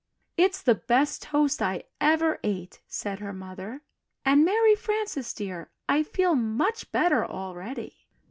"It's the best toast I ever ate," said her mother, "and Mary Frances, dear, I feel much better already."